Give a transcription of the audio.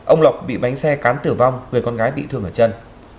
ông lộc bị bánh xe cán tử vong người con gái bị thương ở chân